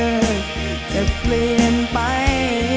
แล้วใจของเธอจะเปลี่ยนไป